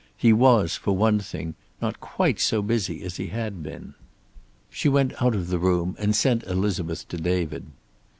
He was, for one thing, not quite so busy as he had been. She went out of the room, and sent Elizabeth to David.